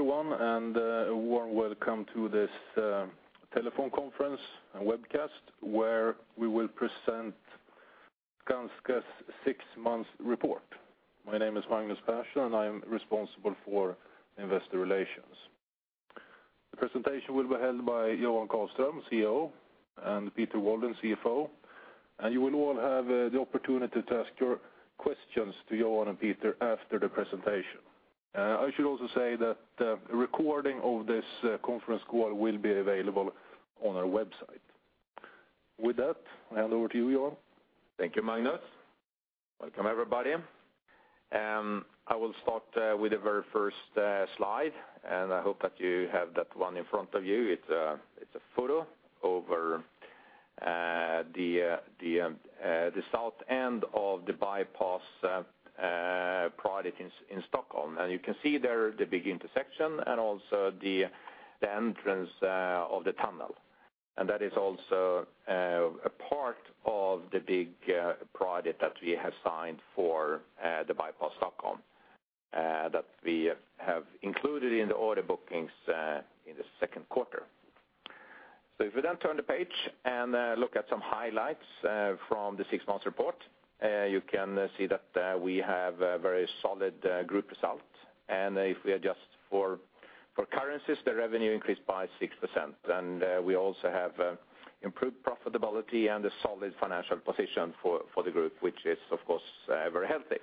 Hello, everyone, and a warm welcome to this telephone conference and webcast, where we will present Skanska's six-month report. My name is Magnus Persson, and I am responsible for investor relations. The presentation will be held by Johan Karlström, CEO, and Peter Wallin, CFO, and you will all have the opportunity to ask your questions to Johan and Peter after the presentation. I should also say that a recording of this conference call will be available on our website. With that, I hand over to you, Johan. Thank you, Magnus. Welcome, everybody. I will start with the very first slide, and I hope that you have that one in front of you. It's a photo over the south end of the bypass project in Stockholm. You can see there the big intersection and also the entrance of the tunnel. That is also a part of the big project that we have signed for the Bypass Stockholm that we have included in the order bookings in the second quarter. So if we then turn the page and look at some highlights from the six-month report, you can see that we have a very solid group result. If we adjust for currencies, the revenue increased by 6%, and we also have improved profitability and a solid financial position for the group, which is, of course, very healthy.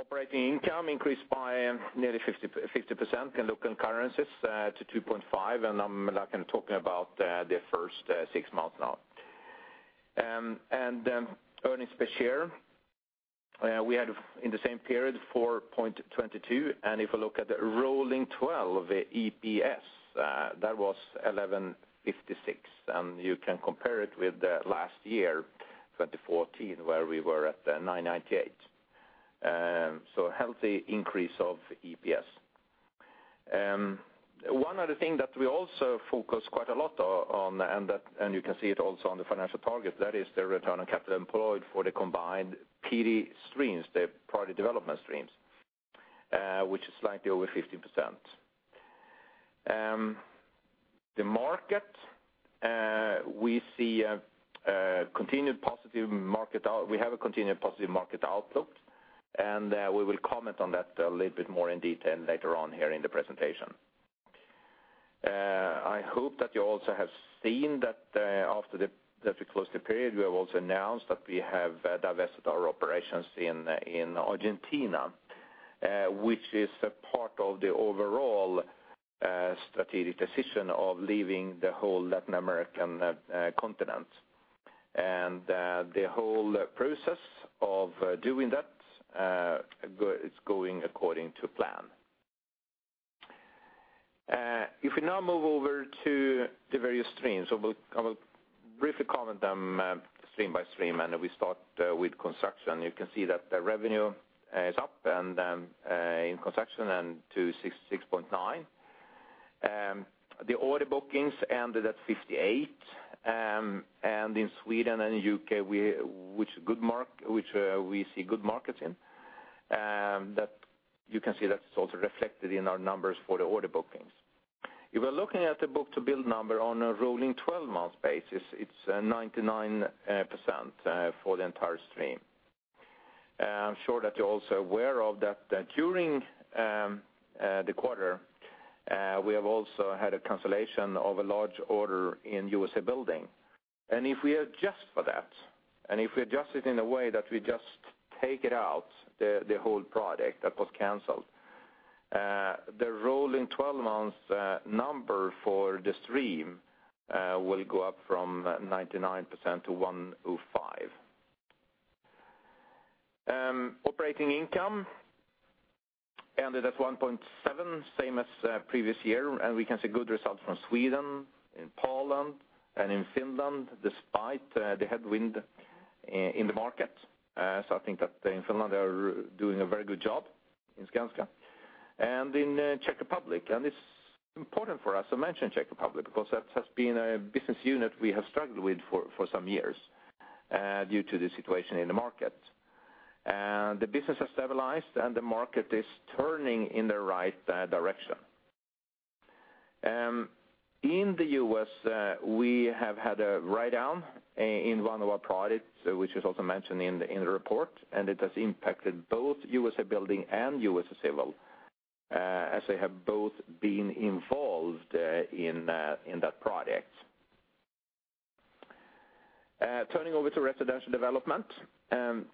Operating income increased by nearly 50% in local currencies to 2.5%, and I'm talking about the first six months now. Earnings per share, we had in the same period, 4.22%, and if you look at the rolling twelve EPS, that was 11.56%, and you can compare it with last year, 2014, where we were at 9.98%. A healthy increase of EPS. One other thing that we also focus quite a lot on, and you can see it also on the financial target, that is the return on capital employed for the combined PD streams, the property development streams, which is slightly over 15%. The market, we have a continued positive market outlook, and we will comment on that a little bit more in detail later on here in the presentation. I hope that you also have seen that, after we closed the period, we have also announced that we have divested our operations in Argentina, which is a part of the overall strategic decision of leaving the whole Latin American continent. The whole process of doing that, it's going according to plan. If we now move over to the various streams, so I will briefly comment on them, stream by stream, and we start with construction. You can see that the revenue is up and in construction and to 6.9. The order bookings ended at 58, and in Sweden and U.K., which we see good markets in, that you can see that's also reflected in our numbers for the order bookings. If we're looking at the book-to-build number on a rolling 12-month basis, it's 99% for the entire stream. I'm sure that you're also aware of that, that during the quarter, we have also had a cancellation of a large order in USA Building. And if we adjust for that, and if we adjust it in a way that we just take it out, the whole project that was canceled, the rolling twelve months number for the stream will go up from 99%-105%. Operating income ended at 1.7, same as previous year, and we can see good results from Sweden, in Poland, and in Finland, despite the headwind in the market. So I think that in Finland, they are doing a very good job in Skanska. In Czech Republic, and it's important for us to mention Czech Republic, because that has been a business unit we have struggled with for some years due to the situation in the market. The business has stabilized, and the market is turning in the right direction. In the U.S., we have had a write-down in one of our products, which is also mentioned in the report, and it has impacted both USA Building and USA Civil, as they have both been involved in that project. Turning over to residential development,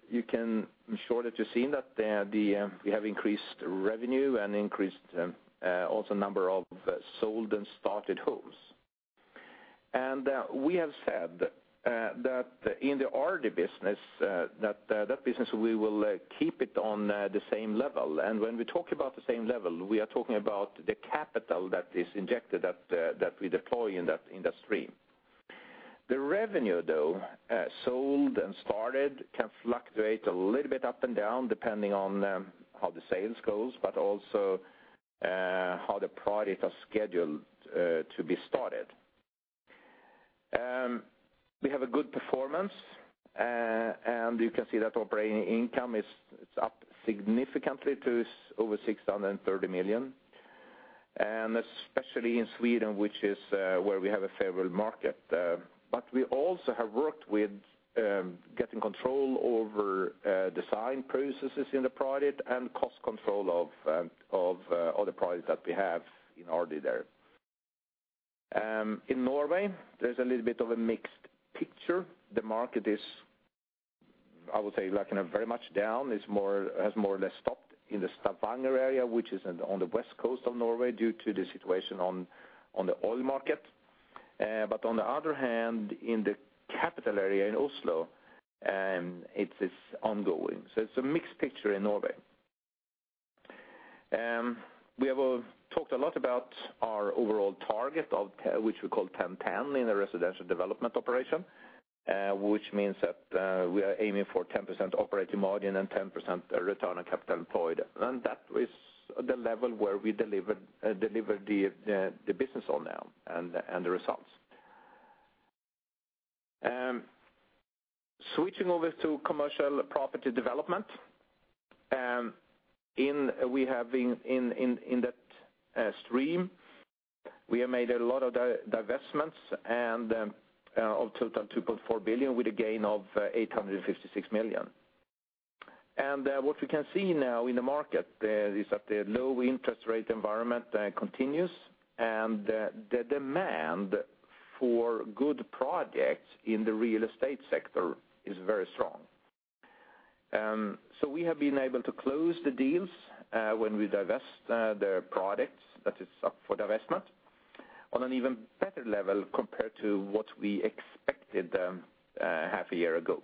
you can... I'm sure that you've seen that we have increased revenue and increased also number of sold and started homes. We have said that in the RD business, that business, we will keep it on the same level. And when we talk about the same level, we are talking about the capital that is injected, that we deploy in that industry. The revenue, though, sold and started, can fluctuate a little bit up and down, depending on how the sales goes, but also how the projects are scheduled to be started. We have a good performance, and you can see that operating income is up significantly to over 630 million. And especially in Sweden, which is where we have a favorable market. But we also have worked with getting control over design processes in the project and cost control of other projects that we have in already there. In Norway, there's a little bit of a mixed picture. The market is, I would say, like in a very much down; it's has more or less stopped in the Stavanger area, which is on the west coast of Norway, due to the situation on the oil market. But on the other hand, in the capital area, in Oslo, it is ongoing. So it's a mixed picture in Norway. We have talked a lot about our overall target of which we call ten-ten in the residential development operation, which means that we are aiming for 10% operating margin and 10% return on capital employed. That is the level where we delivered the business now, and the results. Switching over to commercial property development, in we have been in that stream, we have made a lot of divestments and of total 2.4 billion, with a gain of 856 million. And what we can see now in the market is that the low interest rate environment continues, and the demand for good projects in the real estate sector is very strong. So we have been able to close the deals when we divest the products that is up for divestment, on an even better level compared to what we expected half a year ago.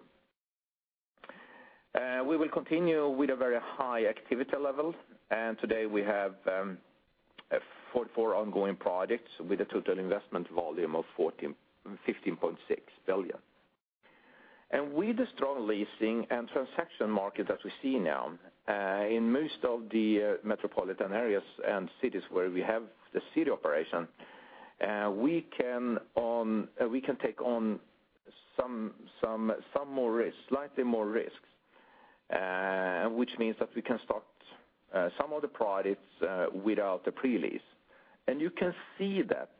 We will continue with a very high activity level, and today we have four ongoing projects with a total investment volume of 15.6 billion. With the strong leasing and transaction market that we see now in most of the metropolitan areas and cities where we have the city operation, we can take on some more risks, slightly more risks, which means that we can start some of the projects without the pre-lease. You can see that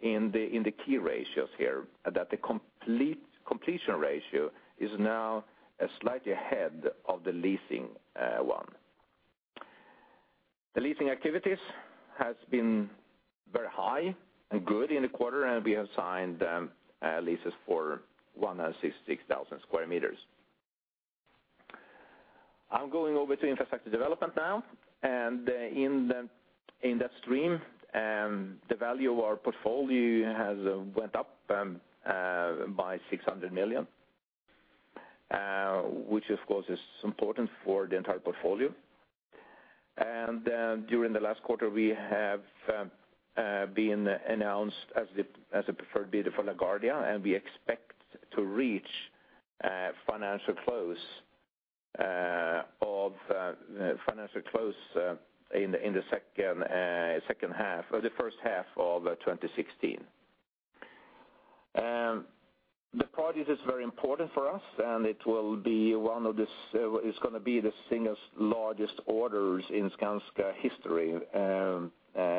in the key ratios here, that the completion ratio is now slightly ahead of the leasing one. The leasing activities has been very high and good in the quarter, and we have signed leases for 166,000 square meters. I'm going over to infrastructure development now, and in that stream, the value of our portfolio has went up by 600 million, which of course is important for the entire portfolio. And during the last quarter, we have been announced as the preferred bidder for LaGuardia, and we expect to reach financial close in the second half or the first half of 2016. The project is very important for us, and it's gonna be the single largest orders in Skanska history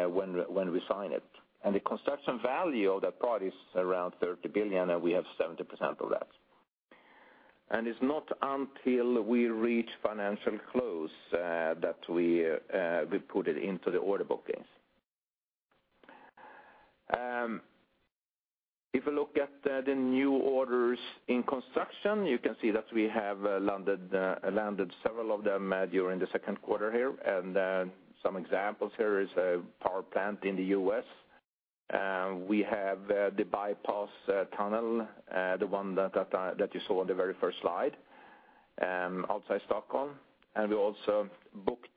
when we sign it. And the construction value of that project is around 30 billion, and we have 70% of that. It's not until we reach financial close that we put it into the order bookings. If you look at the new orders in construction, you can see that we have landed several of them during the second quarter here. Some examples here is a power plant in the U.S. We have the Bypass tunnel, the one that you saw on the very first slide, outside Stockholm. And we also booked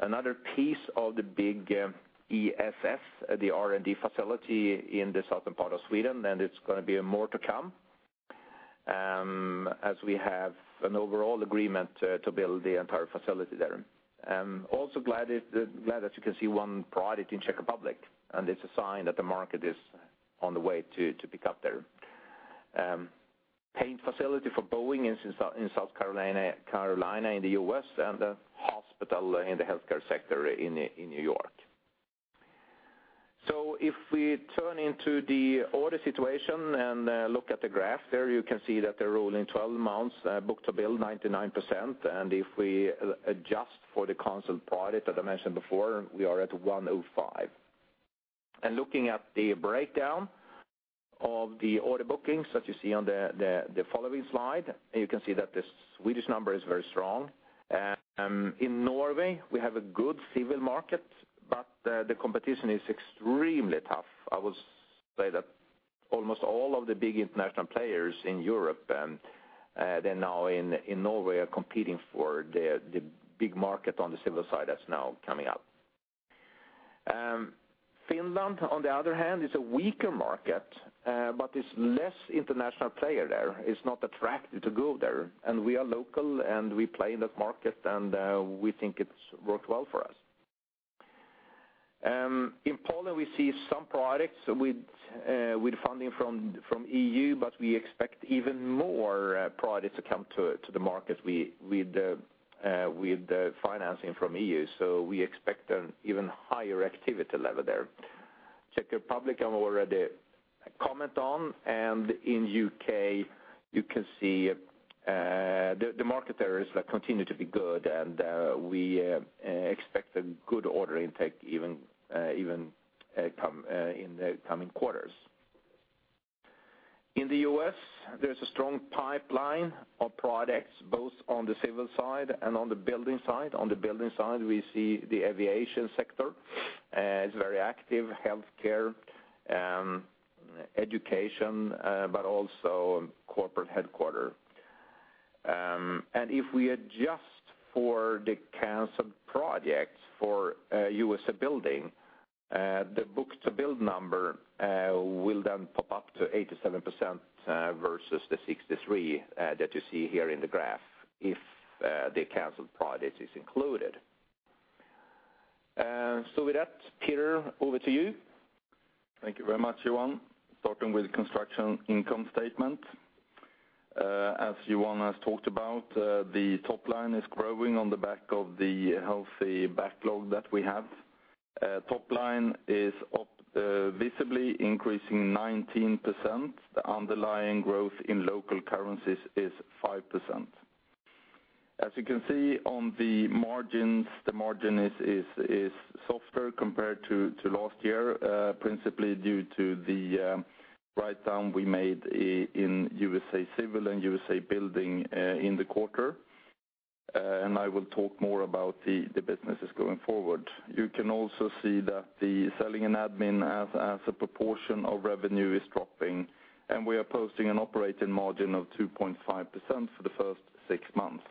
another piece of the big ESS, the R&D facility in the southern part of Sweden, and it's gonna be more to come as we have an overall agreement to build the entire facility there. I'm also glad that you can see one project in Czech Republic, and it's a sign that the market is on the way to pick up there. Paint facility for Boeing in South Carolina in the U.S., and a hospital in the healthcare sector in New York. So if we turn into the order situation and look at the graph there, you can see that the rolling twelve months book to bill 99%. And if we adjust for the canceled project, as I mentioned before, we are at 105%. And looking at the breakdown of the order bookings that you see on the following slide, you can see that the Swedish number is very strong. In Norway, we have a good civil market, but the competition is extremely tough. I would say that almost all of the big international players in Europe, they're now in Norway are competing for the big market on the civil side that's now coming up. Finland, on the other hand, is a weaker market, but there's less international player there. It's not attractive to go there, and we are local, and we play in that market, and we think it's worked well for us. In Poland, we see some products with funding from EU, but we expect even more products to come to the market with the financing from EU. So we expect an even higher activity level there. Czech Republic, I've already comment on, and in U.K., you can see, the market there is, like, continue to be good, and, we, expect a good order intake even coming in the coming quarters. In the U.S., there's a strong pipeline of products, both on the civil side and on the building side. On the building side, we see the aviation sector is very active, healthcare, education, but also corporate headquarters. And if we adjust for the canceled projects for USA Building, the book-to-build number will then pop up to 87%, versus the 63% that you see here in the graph, if the canceled project is included. So with that, Peter, over to you. Thank you very much, Johan. Starting with construction income statement. As Johan has talked about, the top line is growing on the back of the healthy backlog that we have. Top line is up, visibly increasing 19%. The underlying growth in local currencies is 5%. As you can see on the margins, the margin is softer compared to last year, principally due to the write-down we made in USA Civil and USA Building, in the quarter. I will talk more about the businesses going forward. You can also see that the selling and admin as a proportion of revenue is dropping, and we are posting an operating margin of 2.5% for the first six months.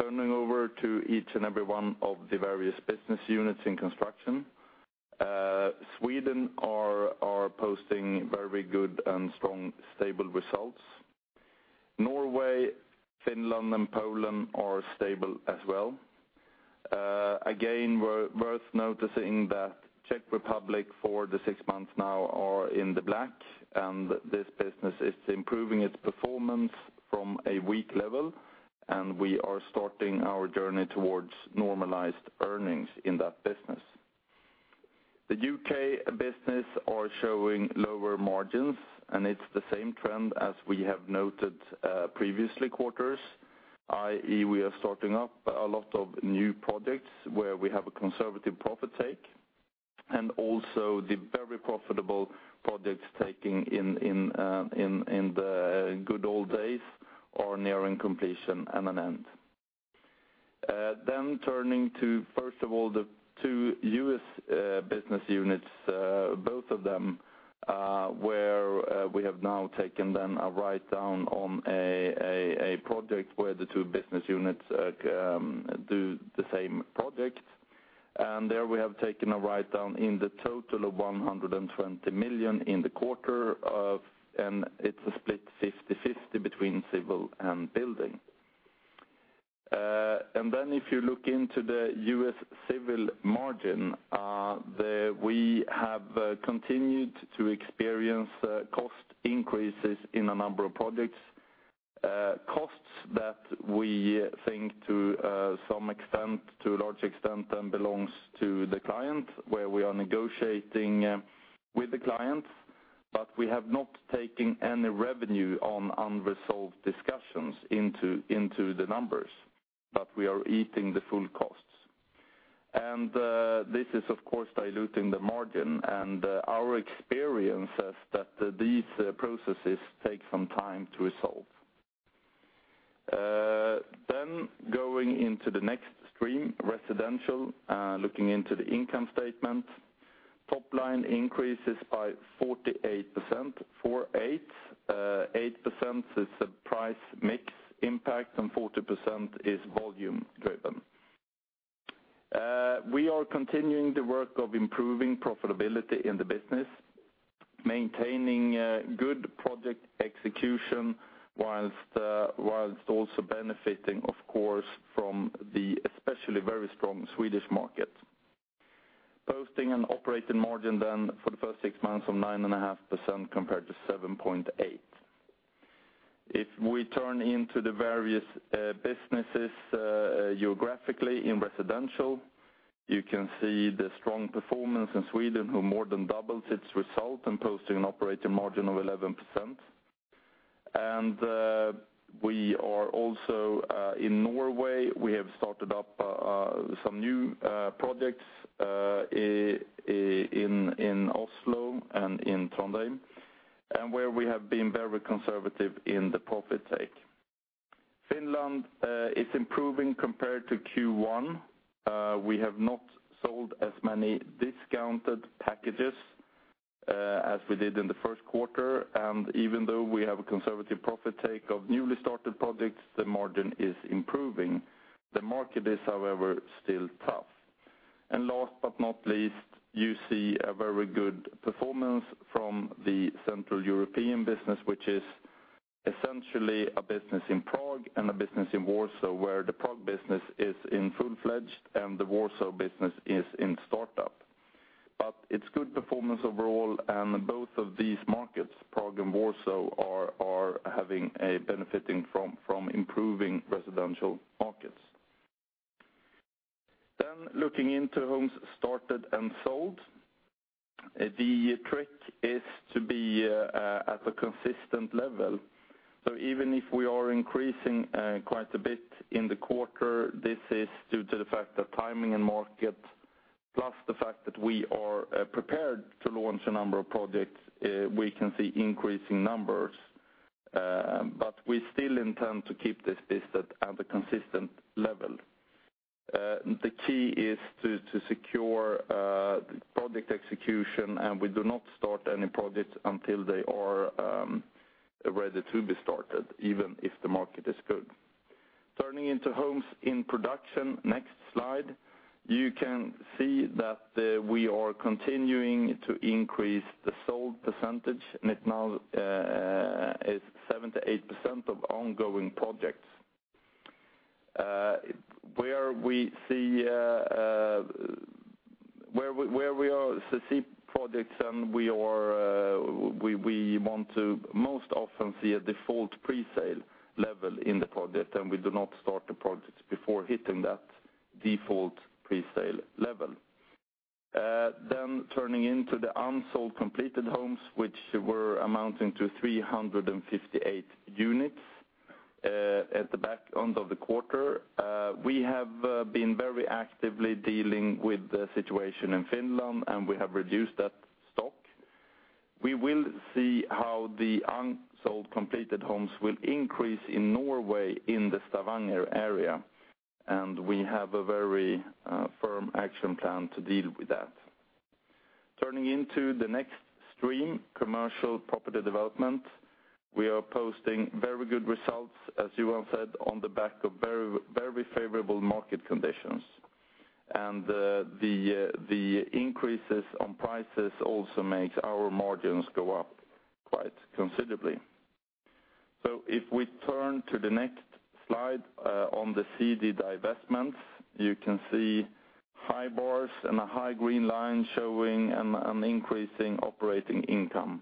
Turning over to each and every one of the various business units in construction, Sweden are posting very good and strong, stable results. Norway, Finland, and Poland are stable as well. Again, worth noticing that Czech Republic for the six months now are in the black, and this business is improving its performance from a weak level, and we are starting our journey towards normalized earnings in that business. The UK business are showing lower margins, and it's the same trend as we have noted previously quarters, i.e., we are starting up a lot of new projects where we have a conservative profit take, and also the very profitable projects taken in the good old days are nearing completion and an end. Then turning to, first of all, the two U.S. business units, both of them, where we have now taken then a write-down on a project where the two business units do the same project. And there we have taken a write-down in the total of 120 million in the quarter, and it's split 50/50 between civil and building. And then if you look into the U.S. civil margin, we have continued to experience cost increases in a number of projects. Costs that we think to some extent, to a large extent, then belongs to the client, where we are negotiating with the client, but we have not taken any revenue on unresolved discussions into the numbers, but we are eating the full costs. This is, of course, diluting the margin, and our experience is that these processes take some time to resolve. Going into the next stream, residential, looking into the income statement, top line increases by 48%. 8% is the price mix impact, and 40% is volume-driven. We are continuing the work of improving profitability in the business, maintaining good project execution, whilst also benefiting, of course, from the especially very strong Swedish market. Posting an operating margin then for the first six months of 9.5% compared to 7.8%. If we turn to the various businesses, geographically in residential, you can see the strong performance in Sweden, who more than doubles its result and posting an operating margin of 11%. And we are also in Norway, we have started up some new projects in Oslo and in Trondheim, and where we have been very conservative in the profit take. Finland is improving compared to Q1. We have not sold as many discounted packages as we did in the first quarter, and even though we have a conservative profit take of newly started projects, the margin is improving. The market is, however, still tough. And last but not least, you see a very good performance from the Central European business, which is essentially a business in Prague and a business in Warsaw, where the Prague business is in full-fledged, and the Warsaw business is in startup. But it's good performance overall, and both of these markets, Prague and Warsaw, are having a benefiting from improving residential markets. Then looking into homes started and sold, the trick is to be at a consistent level. So even if we are increasing quite a bit in the quarter, this is due to the fact that timing and market, plus the fact that we are prepared to launch a number of projects, we can see increasing numbers. But we still intend to keep this listed at a consistent level. The key is to secure project execution, and we do not start any projects until they are ready to be started, even if the market is good. Turning into homes in production, next slide, you can see that we are continuing to increase the sold percentage, and it now is 78% of ongoing projects. Where we see... Where we are, we see projects and we want to most often see a default presale level in the project, and we do not start the projects before hitting that default presale level. Then turning into the unsold completed homes, which were amounting to 358 units at the back end of the quarter. We have been very actively dealing with the situation in Finland, and we have reduced that stock. We will see how the unsold completed homes will increase in Norway, in the Stavanger area, and we have a very firm action plan to deal with that. Turning into the next stream, commercial property development. We are posting very good results, as Johan said, on the back of very, very favorable market conditions. And the increases on prices also makes our margins go up quite considerably. So if we turn to the next slide, on the CD divestments, you can see high bars and a high green line showing an increasing operating income.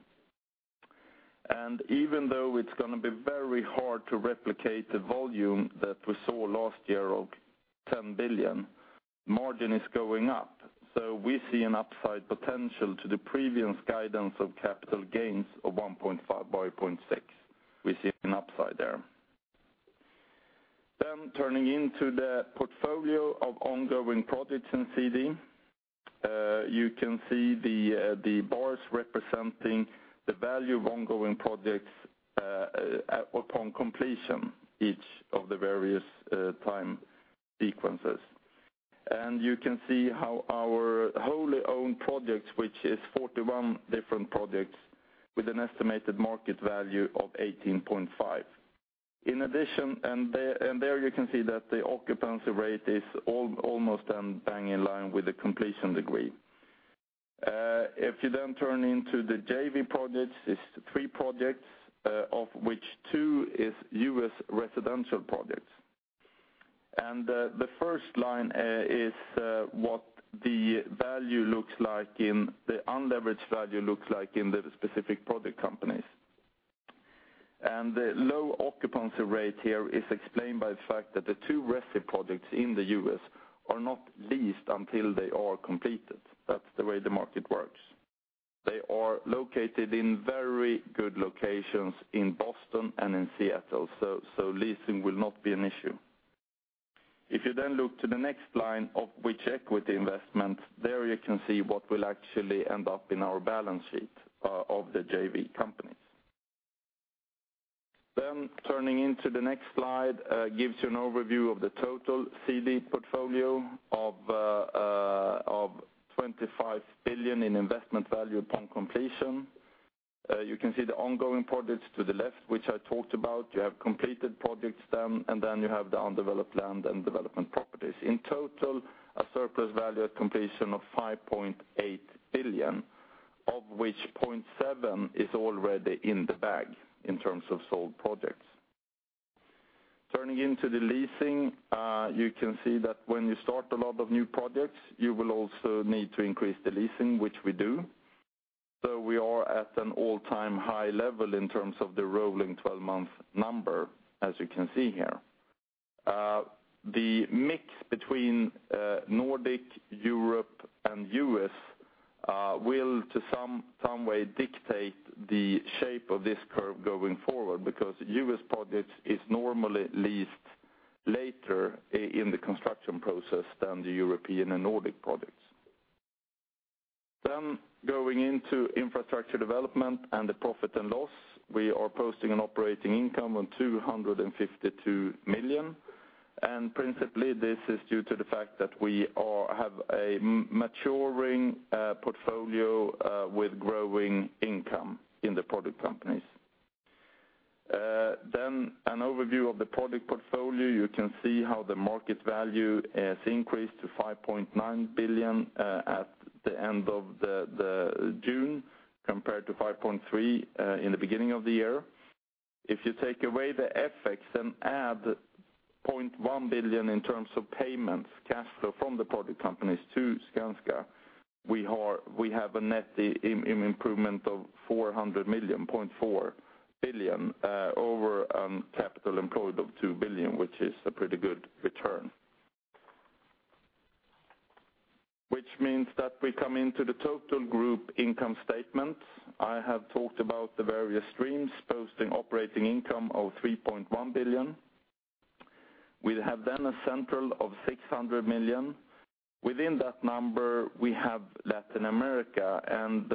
And even though it's gonna be very hard to replicate the volume that we saw last year of 10 billion, margin is going up. So we see an upside potential to the previous guidance of capital gains of 1.5 by 1.6. We see an upside there. Then turning into the portfolio of ongoing projects in CD, you can see the bars representing the value of ongoing projects upon completion, each of the various time sequences. And you can see how our wholly owned projects, which is 41 different projects, with an estimated market value of 18.5. In addition, and there, and there you can see that the occupancy rate is almost then bang in line with the completion degree. If you then turn into the JV projects, it's three projects, of which two is U.S. residential projects. And, the first line, is, what the value looks like in the unleveraged value looks like in the specific project companies. And the low occupancy rate here is explained by the fact that the two residential projects in the U.S. are not leased until they are completed. That's the way the market works. They are located in very good locations in Boston and in Seattle, so leasing will not be an issue. If you then look to the next line, of which equity investment, there you can see what will actually end up in our balance sheet, of the JV companies. Then turning to the next slide, gives you an overview of the total CD portfolio of 25 billion in investment value upon completion. You can see the ongoing projects to the left, which I talked about. You have completed projects then, and then you have the undeveloped land and development properties. In total, a surplus value at completion of 5.8 billion, of which 0.7 billion is already in the bag in terms of sold projects. Turning to the leasing, you can see that when you start a lot of new projects, you will also need to increase the leasing, which we do. So we are at an all-time high level in terms of the rolling twelve-month number, as you can see here. The mix between Nordic, Europe, and U.S., will to some, some way dictate the shape of this curve going forward, because U.S. projects is normally leased later in the construction process than the European and Nordic projects. Then going into infrastructure development and the profit and loss, we are posting an operating income of 252 million. And principally, this is due to the fact that we have a maturing portfolio with growing income in the project companies. Then an overview of the project portfolio. You can see how the market value has increased to 5.9 billion at the end of June, compared to 5.3 billion in the beginning of the year. If you take away the FX and add 0.1 billion in terms of payments, cash flow from the project companies to Skanska, we are, we have a net improvement of 400 million, 0.4 billion, over capital employed of 2 billion, which is a pretty good return. Which means that we come into the total group income statement. I have talked about the various streams posting operating income of 3.1 billion. We have then a central of 600 million. Within that number, we have Latin America, and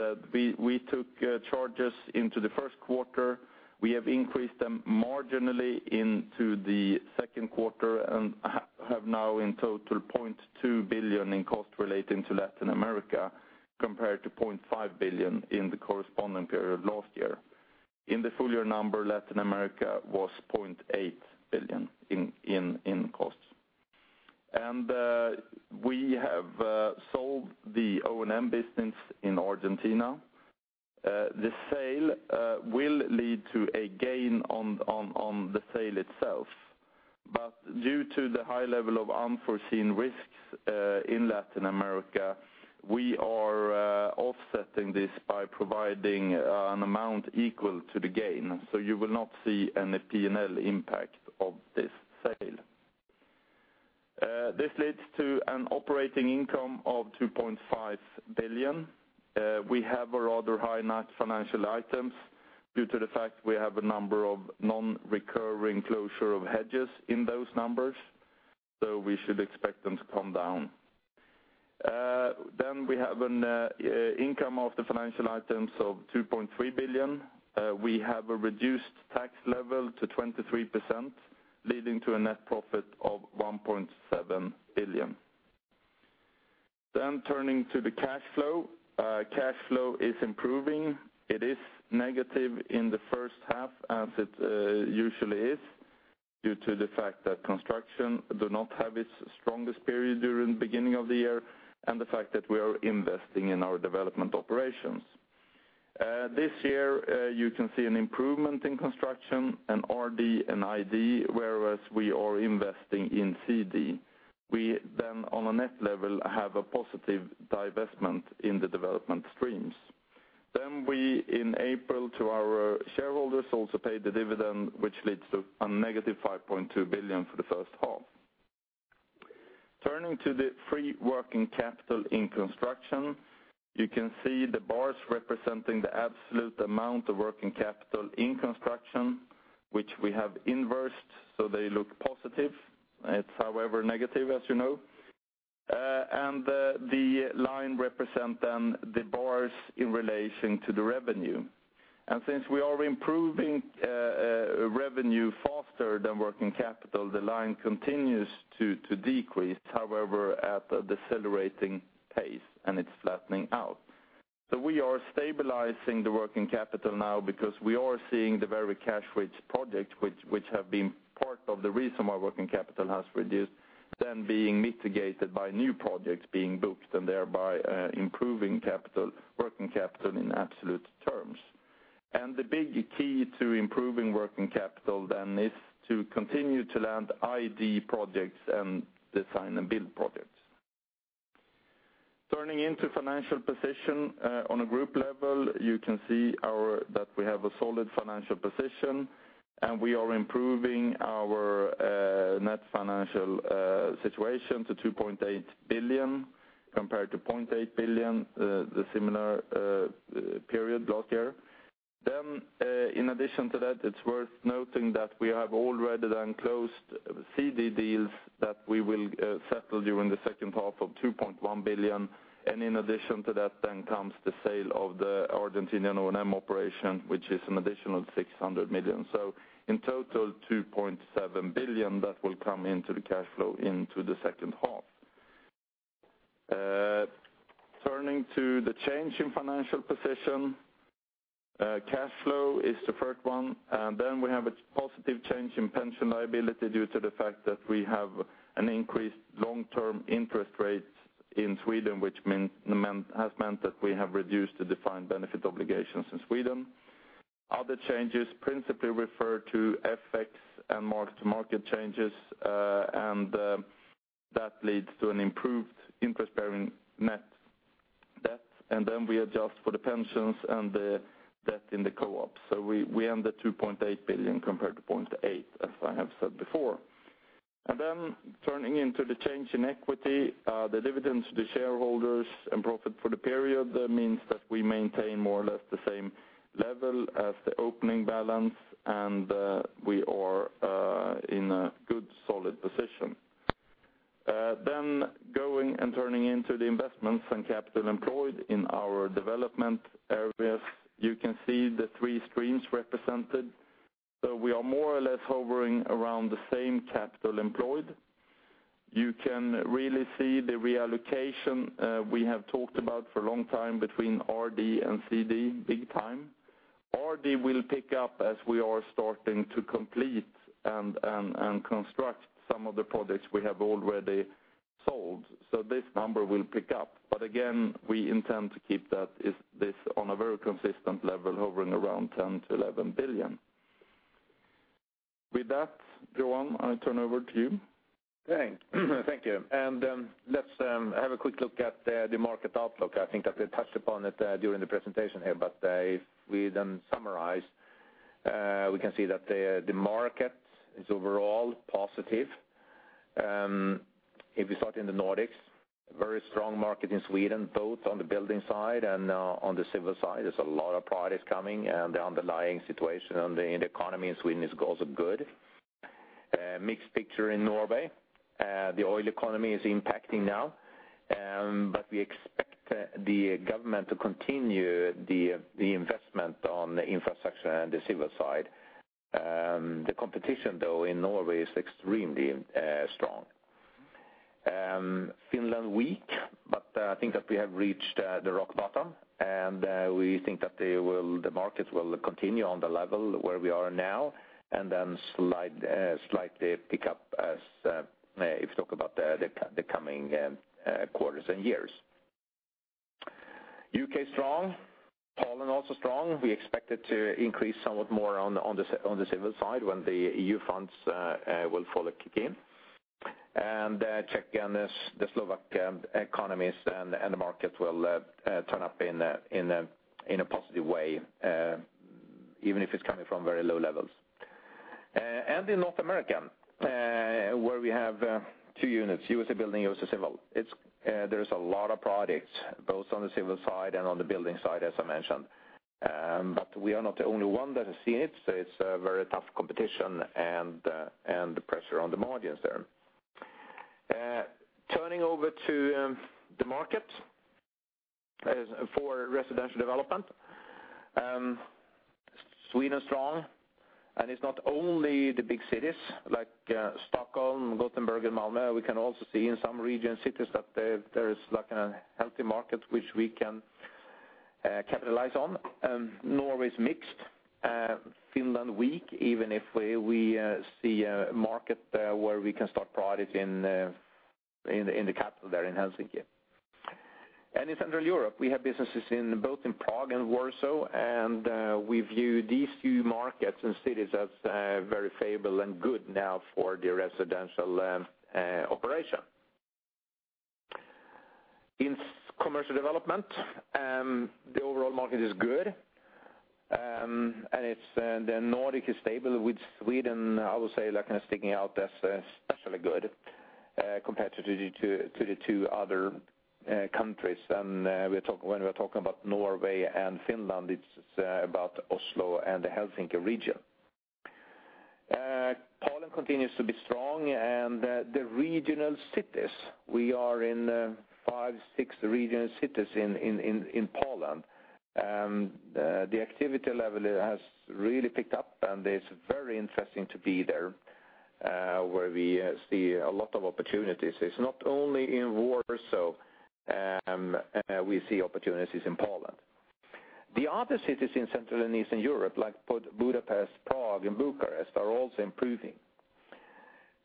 we took charges into the first quarter. We have increased them marginally into the second quarter, and have now in total 0.2 billion in cost relating to Latin America, compared to 0.5 billion in the corresponding period last year. In the full year number, Latin America was 0.8 billion in costs. And we have sold the O&M business in Argentina. The sale will lead to a gain on the sale itself. But due to the high level of unforeseen risks in Latin America, we are offsetting this by providing an amount equal to the gain. So you will not see any P&L impact of this sale. This leads to an operating income of 2.5 billion. We have a rather high net financial items due to the fact we have a number of non-recurring closure of hedges in those numbers, so we should expect them to come down. Then we have an income of the financial items of 2.3 billion. We have a reduced tax level to 23%, leading to a net profit of 1.7 billion. Turning to the cash flow. Cash flow is improving. It is negative in the first half, as it usually is, due to the fact that construction do not have its strongest period during the beginning of the year, and the fact that we are investing in our development operations. This year, you can see an improvement in construction and RD and ID, whereas we are investing in CD. We then, on a net level, have a positive divestment in the development streams. Then we, in April, to our shareholders, also paid the dividend, which leads to a negative 5.2 billion for the first half. Turning to the free working capital in construction, you can see the bars representing the absolute amount of working capital in construction, which we have inversed, so they look positive. It's, however, negative, as you know. The line represent then the bars in relation to the revenue. And since we are improving revenue faster than working capital, the line continues to decrease, however, at a decelerating pace, and it's flattening out. So we are stabilizing the working capital now because we are seeing the very cash-rich projects, which have been part of the reason why working capital has reduced, then being mitigated by new projects being booked and thereby improving capital, working capital in absolute terms. The big key to improving working capital then is to continue to land ID projects and design and build projects. Turning to financial position, on a group level, you can see our that we have a solid financial position, and we are improving our, net financial, situation to 2.8 billion, compared to 0.8 billion, the similar, period last year. Then, in addition to that, it's worth noting that we have already then closed CD deals that we will, settle during the second half of 2.1 billion. And in addition to that, then comes the sale of the Argentinian O&M operation, which is an additional 600 million. So in total, 2.7 billion, that will come into the cash flow into the second half. Turning to the change in financial position, cash flow is the first one. Then we have a positive change in pension liability due to the fact that we have an increased long-term interest rate in Sweden, which has meant that we have reduced the defined benefit obligations in Sweden. Other changes principally refer to FX and mark-to-market changes, and that leads to an improved interest-bearing net debt, and then we adjust for the pensions and the debt in the co-op. So we end at 2.8 billion compared to 0.8 billion, as I have said before. And then turning into the change in equity, the dividends to the shareholders and profit for the period, that means that we maintain more or less the same level as the opening balance, and we are in a good, solid position. Then going and turning into the investments and capital employed in our development areas, you can see the three streams represented. So we are more or less hovering around the same capital employed. You can really see the reallocation, we have talked about for a long time between RD and CD, big time. RD will pick up as we are starting to complete and construct some of the projects we have already... sold, so this number will pick up. But again, we intend to keep that on a very consistent level, hovering around 10 billion-11 billion. With that, Johan, I turn over to you. Okay, thank you. Let's have a quick look at the market outlook. I think that we touched upon it during the presentation here, but if we then summarize, we can see that the market is overall positive. If you start in the Nordics, very strong market in Sweden, both on the building side and on the civil side. There's a lot of products coming, and the underlying situation in the economy in Sweden is also good. Mixed picture in Norway. The oil economy is impacting now, but we expect the government to continue the investment on the infrastructure and the civil side. The competition, though, in Norway is extremely strong. Finland weak, but I think that we have reached the rock bottom, and we think that the market will continue on the level where we are now, and then slightly pick up as if you talk about the coming quarters and years. UK strong, Poland also strong. We expect it to increase somewhat more on the civil side when the EU funds will fully kick in. Czech and the Slovak economies and the market will turn up in a positive way, even if it's coming from very low levels. And in North America, where we have two units, USA Building, USA Civil, it's, there's a lot of products, both on the civil side and on the building side, as I mentioned. But we are not the only one that has seen it, so it's a very tough competition and pressure on the margins there. Turning over to the market, as for residential development, Sweden strong, and it's not only the big cities like Stockholm, Gothenburg, and Malmö. We can also see in some region cities that there is like a healthy market which we can capitalize on. Norway's mixed, Finland weak, even if we see a market where we can start products in the capital there in Helsinki. In Central Europe, we have businesses in both Prague and Warsaw, and we view these two markets and cities as very favorable and good now for the residential operation. In commercial development, the overall market is good, and it's the Nordic is stable, with Sweden, I would say, like, kind of sticking out as especially good compared to the two other countries. And when we're talking about Norway and Finland, it's about Oslo and the Helsinki region. Poland continues to be strong, and the regional cities, we are in five, six regional cities in Poland. The activity level has really picked up, and it's very interesting to be there where we see a lot of opportunities. It's not only in Warsaw, we see opportunities in Poland. The other cities in Central and Eastern Europe, like Budapest, Prague, and Bucharest, are also improving.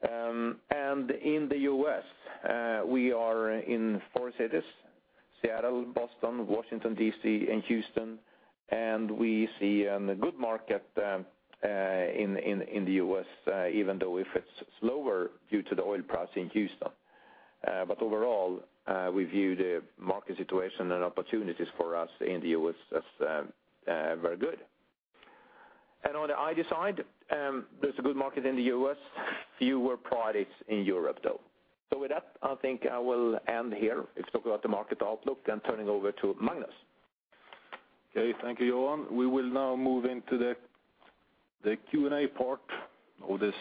And in the U.S., we are in four cities, Seattle, Boston, Washington, D.C., and Houston, and we see a good market in the U.S., even though if it's slower due to the oil price in Houston. But overall, we view the market situation and opportunities for us in the U.S. as very good. And on the ID side, there's a good market in the U.S., fewer products in Europe, though. So with that, I think I will end here. Let's talk about the market outlook, then turning over to Magnus. Okay, thank you, Johan. We will now move into the Q&A part of this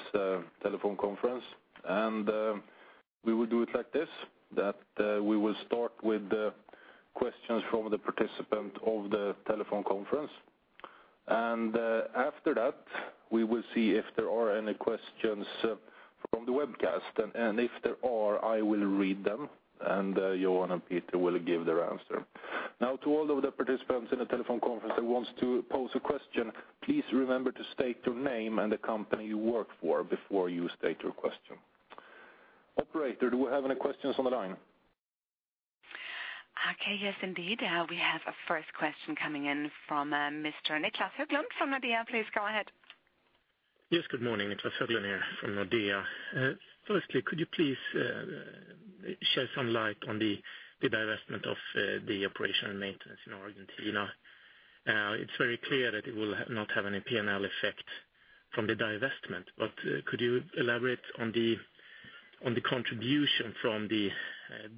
telephone conference. And, we will do it like this, we will start with the questions from the participant of the telephone conference. And, after that, we will see if there are any questions from the webcast. And, if there are, I will read them, and Johan and Peter will give their answer. Now, to all of the participants in the telephone conference that wants to pose a question, please remember to state your name and the company you work for before you state your question. Operator, do we have any questions on the line? Okay, yes, indeed. We have a first question coming in from Mr. Niclas Höglund from Nordea. Please go ahead. Yes, good morning. It's Niclas Höglund here from Nordea. Firstly, could you please shed some light on the divestment of the operation and maintenance in Argentina? It's very clear that it will not have any P&L effect from the divestment, but could you elaborate on the contribution from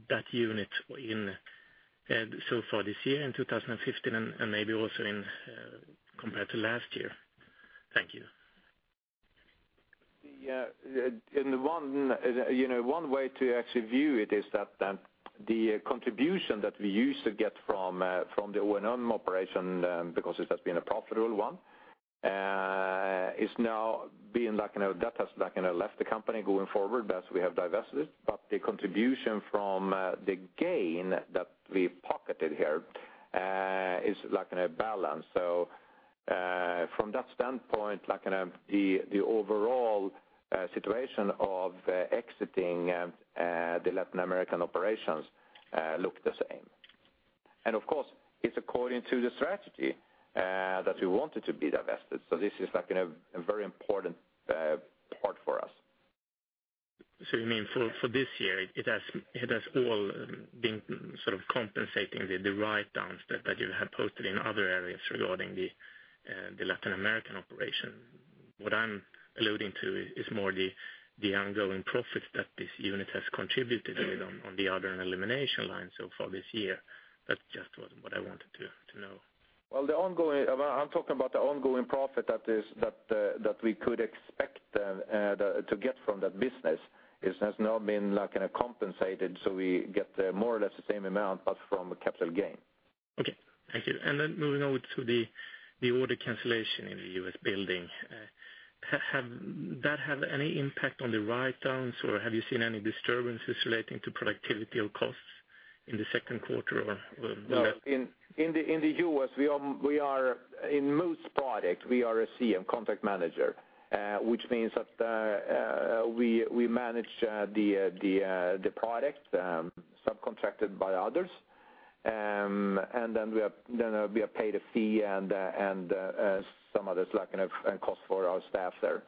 that unit so far this year in 2015, and maybe also compared to last year? Thank you. In one way to actually view it is that, you know, the contribution that we used to get from the O&M operation, because it has been a profitable one, is now being, like, you know, that has, like, you know, left the company going forward as we have divested it. The contribution from the gain that we pocketed here is like in a balance. From that standpoint, like in, the overall situation of exiting the Latin American operations looks the same. Of course, it's according to the strategy that we wanted to be divested, so this is like in a very important part for us. So you mean for this year, it has all been sort of compensating the write-downs that you have posted in other areas regarding the Latin American operation. What I'm alluding to is more the ongoing profits that this unit has contributed on the other elimination line so far this year. That's just what I wanted to know. Well, I'm talking about the ongoing profit that we could expect to get from that business. It has now been, like, compensated, so we get more or less the same amount, but from a capital gain. Okay. Thank you. And then moving on to the order cancellation in the U.S. Building, has that had any impact on the write-downs, or have you seen any disturbances relating to productivity or costs in the second quarter, or well- No, in the US, we are in most product, we are a CM, contract manager, which means that we manage the product subcontracted by others. And then we are paid a fee and some others, like, in a cost for our staff there.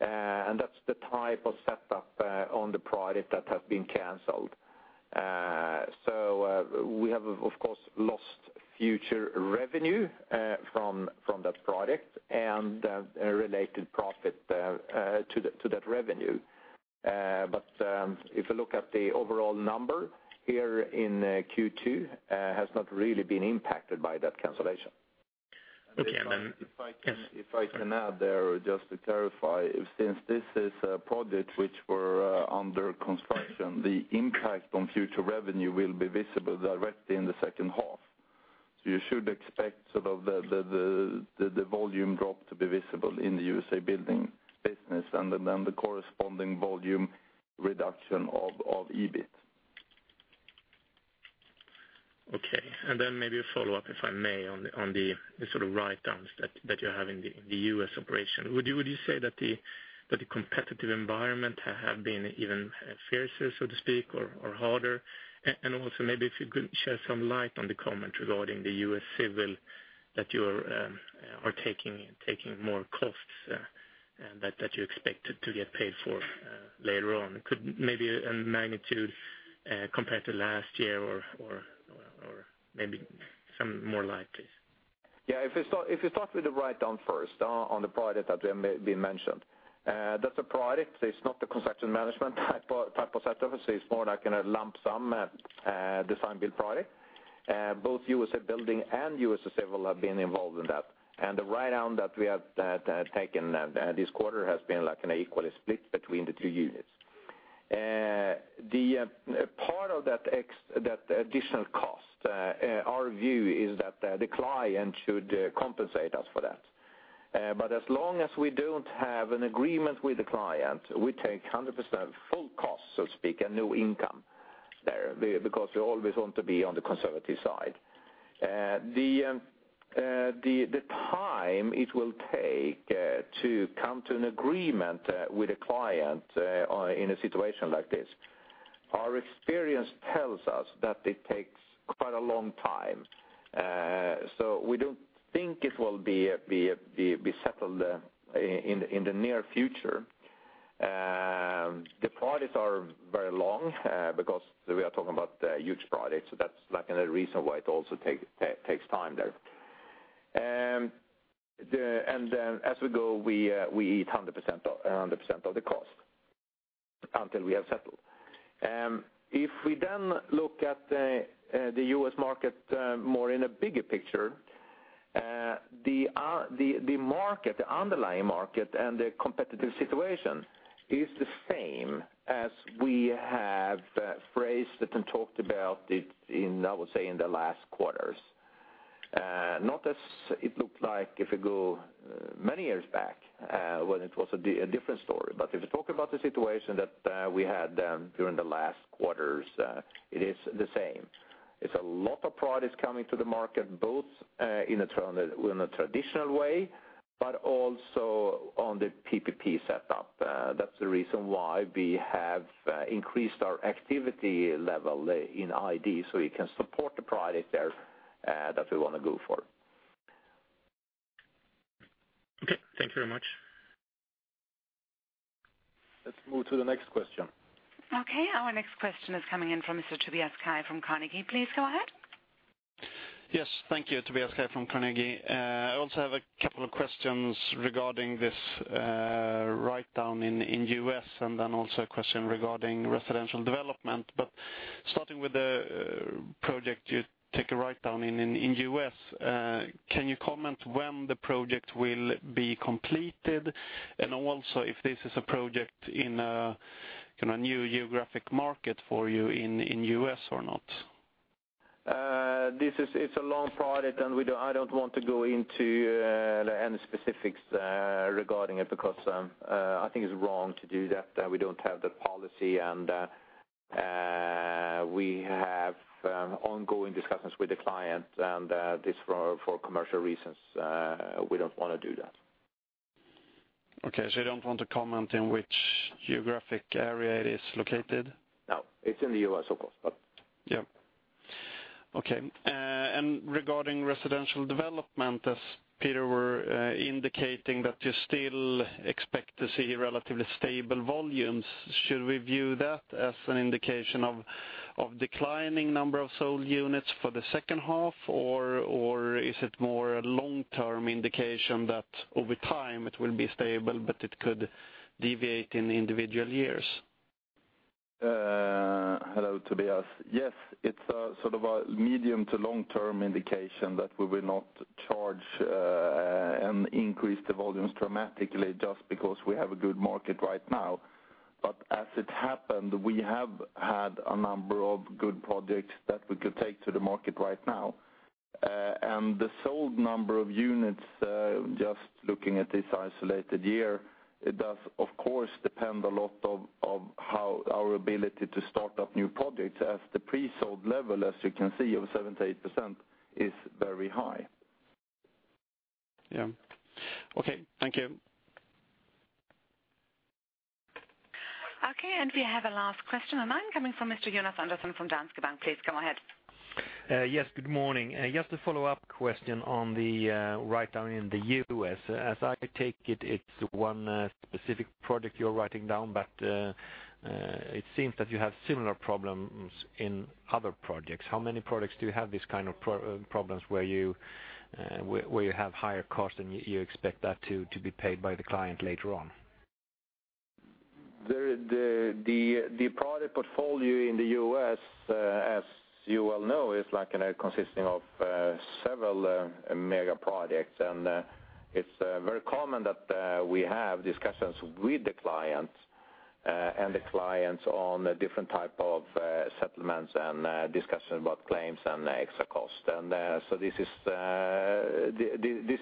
And that's the type of setup on the product that has been canceled. So, we have, of course, lost future revenue from that product and related profit to that revenue. But if you look at the overall number here in Q2, has not really been impacted by that cancellation. Okay, and then- If I can add there, just to clarify, since this is a project which were under construction, the impact on future revenue will be visible directly in the second half. So you should expect sort of the volume drop to be visible in the USA building business, and then the corresponding volume reduction of EBIT. Okay, and then maybe a follow-up, if I may, on the sort of write-downs that you have in the U.S. operation. Would you say that the competitive environment have been even fiercer, so to speak, or harder? And also maybe if you could shed some light on the comment regarding the U.S. civil, that you are taking more costs, and that you expected to get paid for later on. Could maybe a magnitude compared to last year or maybe some more light, please? Yeah, if you start with the write-down first, on the project that we have been mentioned, that's a project, it's not the construction management type of set up. It's more like in a lump sum design build project. Both USA Building and USA Civil have been involved in that. And the write-down that we have taken this quarter has been, like, an equally split between the two units. The part of that additional cost, our view is that the client should compensate us for that. But as long as we don't have an agreement with the client, we take 100% full cost, so to speak, and no income there, because we always want to be on the conservative side. The time it will take to come to an agreement with a client in a situation like this, our experience tells us that it takes quite a long time. So we don't think it will be settled in the near future. The projects are very long because we are talking about huge projects, so that's like another reason why it also takes time there. And then as we go, we eat 100%, 100% of the cost until we have settled. If we then look at the US market more in a bigger picture, the underlying market and the competitive situation is the same as we have phrased it and talked about it in, I would say, in the last quarters. Not as it looked like if you go many years back, when it was a different story. But if you talk about the situation that we had during the last quarters, it is the same. It's a lot of products coming to the market, both in a traditional way, but also on the PPP setup. That's the reason why we have increased our activity level in ID, so we can support the product there that we want to go for. Okay, thank you very much. Let's move to the next question. Okay, our next question is coming in from Mr. Tobias Kaj from Carnegie. Please go ahead. Yes, thank you. Tobias Kaj from Carnegie. I also have a couple of questions regarding this write-down in U.S., and then also a question regarding residential development. But starting with the project, you take a write-down in U.S. Can you comment when the project will be completed, and also if this is a project in a new geographic market for you in U.S. or not? This is, it's a long project, and we don't- I don't want to go into any specifics regarding it, because I think it's wrong to do that. We don't have the policy, and... we have ongoing discussions with the client, and this, for commercial reasons, we don't want to do that. Okay, so you don't want to comment in which geographic area it is located? No, it's in the U.S., of course, but- Yeah. Okay, and regarding residential development, as Peter were indicating that you still expect to see relatively stable volumes, should we view that as an indication of declining number of sold units for the second half? Or is it more a long-term indication that over time it will be stable, but it could deviate in individual years? Hello, Tobias. Yes, it's a sort of a medium to long-term indication that we will not charge and increase the volumes dramatically just because we have a good market right now. But as it happened, we have had a number of good projects that we could take to the market right now. And the sold number of units, just looking at this isolated year, it does, of course, depend a lot of how our ability to start up new projects as the pre-sold level, as you can see, of 78% is very high. Yeah. Okay, thank you. Okay, and we have a last question online coming from Mr. Jonas Andersson from Danske Bank. Please go ahead. Yes, good morning. Just a follow-up question on the write-down in the U.S. As I take it, it's one specific project you're writing down, but it seems that you have similar problems in other projects. How many projects do you have these kind of problems where you have higher costs, and you expect that to be paid by the client later on? The product portfolio in the U.S., as you well know, is like consisting of several mega projects. And it's very common that we have discussions with the clients and the clients on the different type of settlements and discussion about claims and extra cost. And so this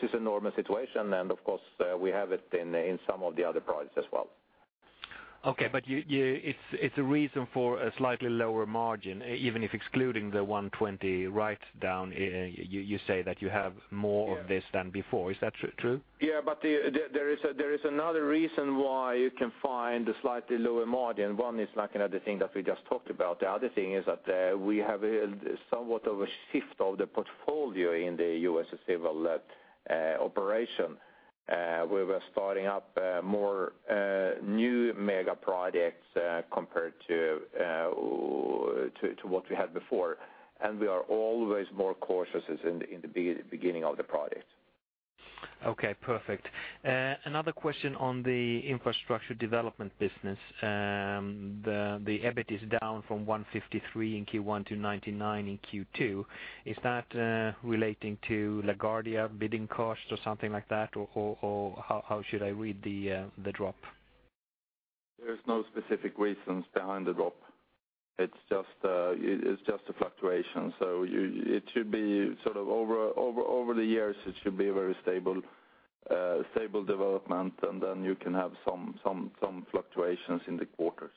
is a normal situation, and of course, we have it in some of the other projects as well. Okay, but you—it's a reason for a slightly lower margin, even if excluding the 120 write-down, you say that you have more of this than before. Is that true? Yeah, but there is another reason why you can find a slightly lower margin. One is like another thing that we just talked about. The other thing is that we have somewhat of a shift of the portfolio in the U.S. civil operation. We were starting up more new mega projects compared to what we had before. And we are always more cautious as in the beginning of the project. Okay, perfect. Another question on the infrastructure development business. The EBIT is down from 153 in Q1-SEK 99 in Q2. Is that relating to LaGuardia bidding costs or something like that? Or how should I read the drop? There's no specific reasons behind the drop. It's just, it's just a fluctuation. So you... It should be sort of over the years, it should be a very stable, stable development, and then you can have some fluctuations in the quarters.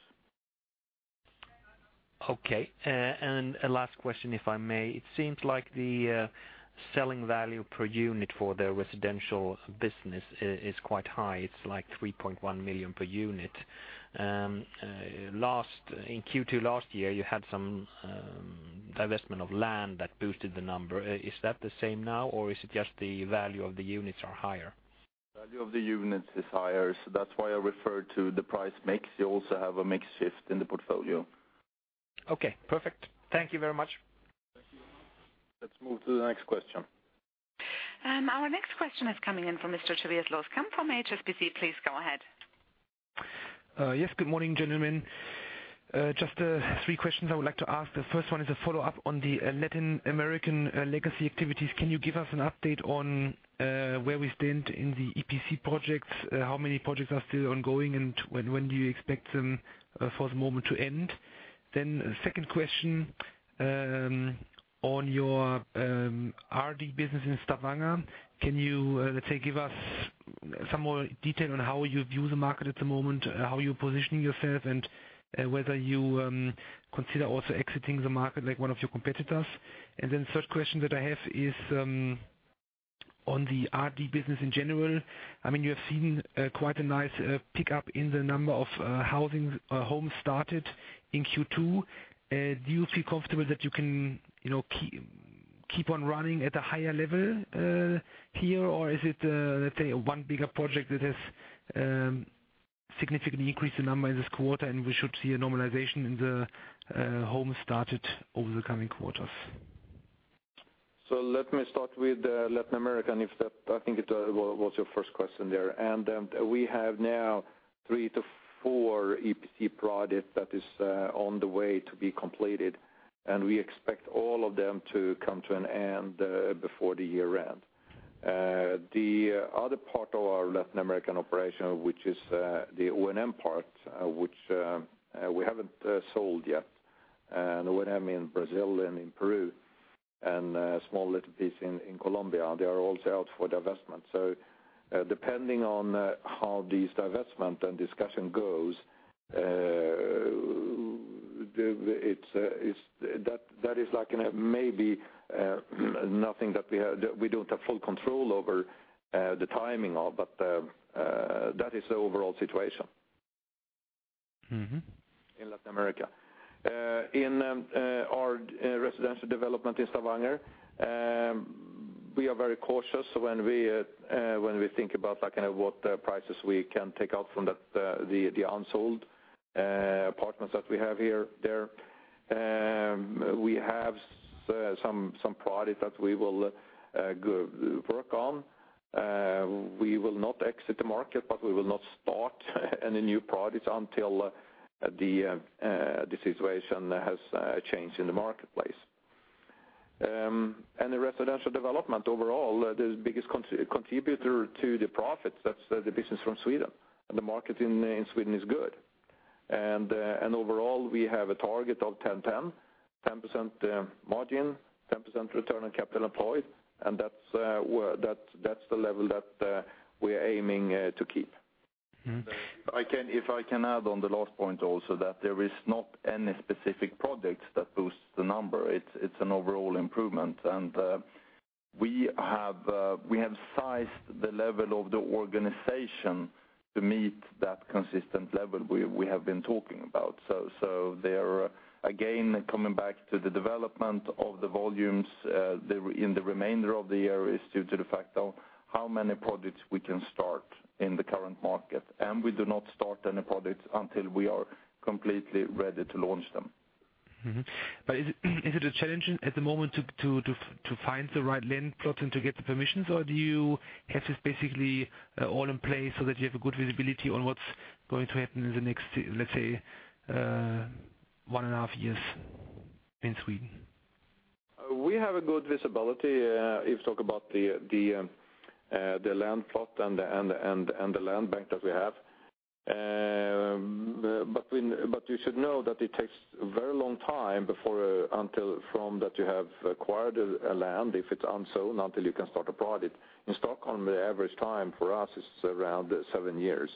Okay. And a last question, if I may. It seems like the selling value per unit for the residential business is quite high. It's like 3.1 million per unit. In Q2 last year, you had some divestment of land that boosted the number. Is that the same now, or is it just the value of the units are higher? Value of the units is higher, so that's why I referred to the price mix. You also have a mix shift in the portfolio. Okay, perfect. Thank you very much. Thank you. Let's move to the next question. Our next question is coming in from Mr. Tobias Loskamp from HSBC. Please go ahead. Yes, good morning, gentlemen. Just three questions I would like to ask. The first one is a follow-up on the Latin American legacy activities. Can you give us an update on where we stand in the EPC projects? How many projects are still ongoing, and when do you expect them for the moment to end? Then second question on your RD business in Stavanger, can you let's say give us some more detail on how you view the market at the moment, how you're positioning yourself, and whether you consider also exiting the market like one of your competitors? And then third question that I have is on the RD business in general. I mean, you have seen, quite a nice, pickup in the number of, housing, homes started in Q2. Do you feel comfortable that you can, you know, keep, keep on running at a higher level, here? Or is it, let's say, one bigger project that has, significantly increased the number in this quarter, and we should see a normalization in the, homes started over the coming quarters? So let me start with Latin America, and if that, I think it was your first question there. And we have now 3 EPC-4 EPC projects that is on the way to be completed, and we expect all of them to come to an end before the year end. The other part of our Latin American operation, which is the O&M part, which we haven't sold yet, the O&M in Brazil and in Peru and a small little piece in Colombia. They are also out for divestment. So, depending on how these divestment and discussion goes, it's that that is like in a maybe, nothing that we don't have full control over the timing of, but that is the overall situation. Mm-hmm. -in Latin America. In our residential development in Stavanger, we are very cautious when we think about, like, kind of what prices we can take out from that, the unsold apartments that we have here, there. We have some products that we will go work on. We will not exit the market, but we will not start any new products until the situation has changed in the marketplace. And the residential development, overall, the biggest contributor to the profits, that's the business from Sweden, and the market in Sweden is good. And overall, we have a target of 10%-10%, 10% margin, 10% return on capital employed, and that's where-- that, that's the level that we're aiming to keep. Mm-hmm. I can add on the last point also, that there is not any specific product that boosts the number. It's an overall improvement, and we have sized the level of the organization to meet that consistent level we have been talking about. So there, again, coming back to the development of the volumes, the in the remainder of the year is due to the fact of how many projects we can start in the current market. And we do not start any projects until we are completely ready to launch them. Mm-hmm. But is it a challenge at the moment to find the right land plot and to get the permissions, or do you have this basically all in place so that you have a good visibility on what's going to happen in the next, let's say, one and a half years in Sweden? We have a good visibility if you talk about the land plot and the land bank that we have. But you should know that it takes a very long time before until from that you have acquired a land, if it's unsold, until you can start a project. In Stockholm, the average time for us is around seven years.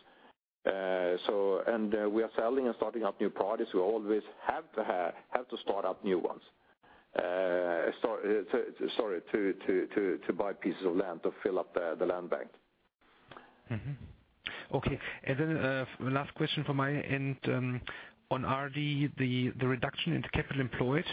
So and we are selling and starting up new projects. We always have to start up new ones. Sorry to buy pieces of land to fill up the land bank. Mm-hmm. Okay, and then, the last question from my end, on RD, the reduction in the capital employed,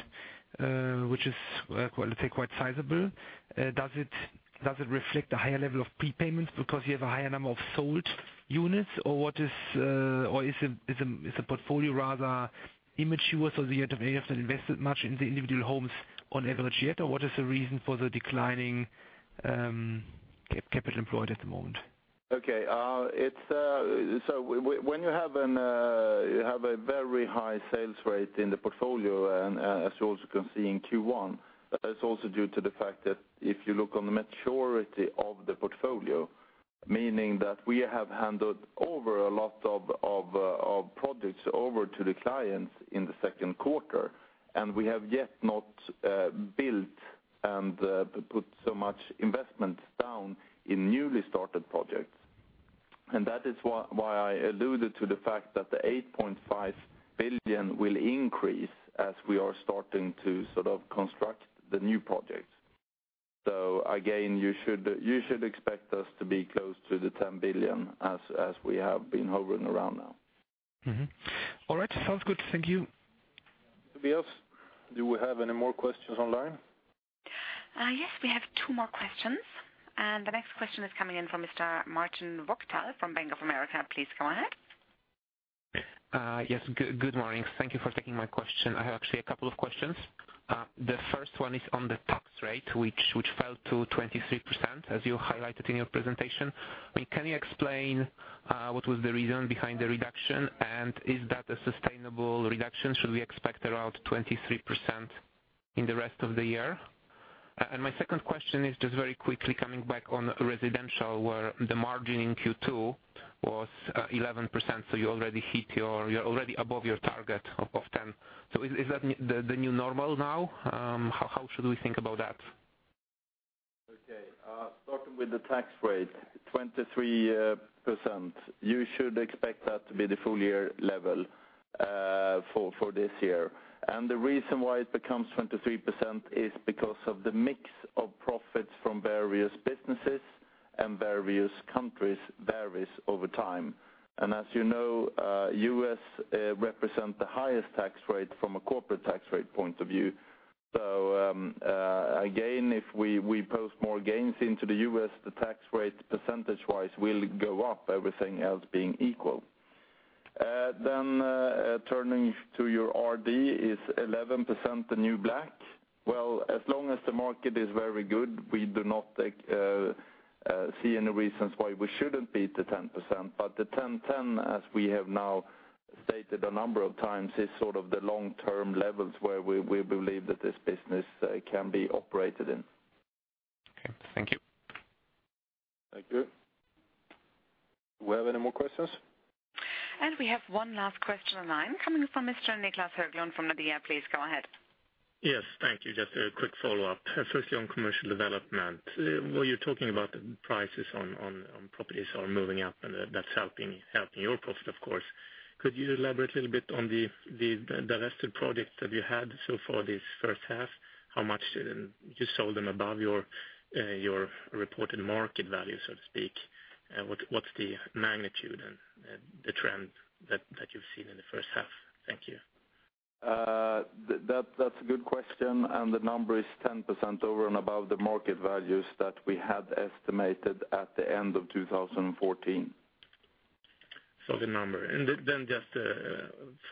which is, let's say, quite sizable, does it reflect a higher level of prepayments because you have a higher number of sold units? Or what is, or is it, the portfolio rather immature, so you haven't invested much in the individual homes on average yet, or what is the reason for the declining capital employed at the moment? Okay. It's... So when you have a very high sales rate in the portfolio, and, as you also can see in Q1, that's also due to the fact that if you look on the maturity of the portfolio, meaning that we have handed over a lot of projects over to the clients in the second quarter, and we have yet not built and put so much investments down in newly started projects. And that is why I alluded to the fact that the 8.5 billion will increase as we are starting to sort of construct the new projects. So again, you should, you should expect us to be close to the 10 billion as, as we have been hovering around now. Mm-hmm. All right. Sounds good. Thank you. Tobias, do we have any more questions online? Yes, we have two more questions, and the next question is coming in from Mr. Martin Wachtel from Bank of America. Please go ahead. Yes, good morning. Thank you for taking my question. I have actually a couple of questions. The first one is on the tax rate, which fell to 23%, as you highlighted in your presentation. Can you explain what was the reason behind the reduction, and is that a sustainable reduction? Should we expect around 23% in the rest of the year? And my second question is just very quickly coming back on residential, where the margin in Q2 was 11%, so you already hit your—you're already above your target of 10%. So is that the new normal now? How should we think about that? Okay. Starting with the tax rate, 23%, you should expect that to be the full year level for this year. And the reason why it becomes 23% is because of the mix of profits from various businesses and various countries varies over time. And as you know, U.S. represent the highest tax rate from a corporate tax rate point of view. So, again, if we post more gains into the U.S., the tax rate, percentage-wise, will go up, everything else being equal. Then, turning to your RD, is 11% the new black? Well, as long as the market is very good, we do not see any reasons why we shouldn't beat the 10%. But the 10-10, as we have now stated a number of times, is sort of the long-term levels where we believe that this business can be operated in. Okay. Thank you. Thank you.... Do we have any more questions? We have one last question online coming from Mr. Niclas Höglund from Nordea. Please go ahead. Yes, thank you. Just a quick follow-up. Firstly, on commercial development, where you're talking about the prices on properties are moving up, and that's helping your profit, of course. Could you elaborate a little bit on the rest of products that you had so far this first half? How much did you sell them above your reported market value, so to speak? And what's the magnitude and the trend that you've seen in the first half? Thank you. That, that's a good question, and the number is 10% over and above the market values that we had estimated at the end of 2014. So the number. And then just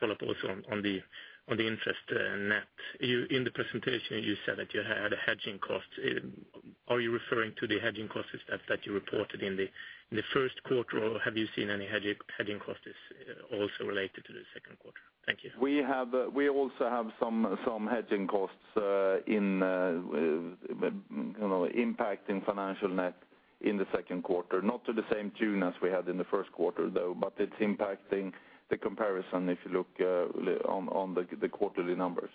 follow up also on the interest net. You in the presentation, you said that you had a hedging cost. Are you referring to the hedging costs that you reported in the first quarter, or have you seen any hedging costs also related to the second quarter? Thank you. We have, we also have some hedging costs, in you know, impacting financial net in the second quarter. Not to the same tune as we had in the first quarter, though, but it's impacting the comparison if you look on the quarterly numbers.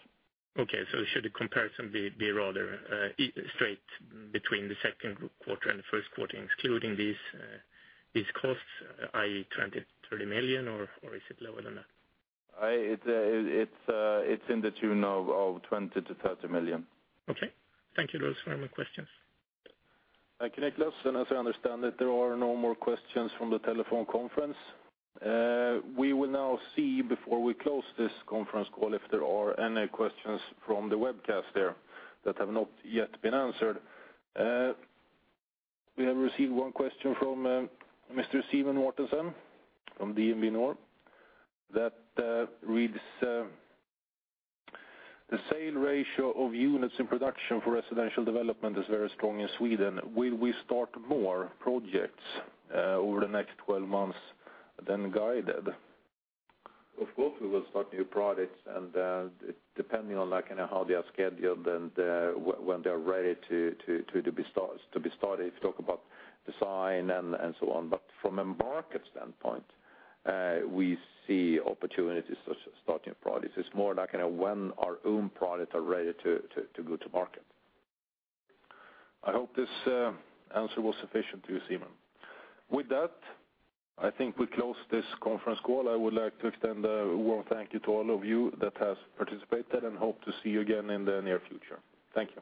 Okay, so should the comparison be rather straight between the second quarter and the first quarter, excluding these costs, i.e., 20 million-30 million, or is it lower than that? It's to the tune of 20 million-30 million. Okay. Thank you, Lars, for my questions. Thank you, Nicholas. As I understand it, there are no more questions from the telephone conference. We will now see, before we close this conference call, if there are any questions from the webcast there that have not yet been answered. We have received one question from Mr. Simen Mortensen from DNB that reads: "The sale ratio of units in production for residential development is very strong in Sweden. Will we start more projects over the next 12 months than guided? Of course, we will start new projects, and depending on, like, you know, how they are scheduled and when they are ready to be started, if you talk about design and so on. But from a market standpoint, we see opportunities to starting projects. It's more like in a when our own products are ready to go to market. I hope this answer was sufficient to you, Steven. With that, I think we close this conference call. I would like to extend a warm thank you to all of you that has participated, and hope to see you again in the near future. Thank you.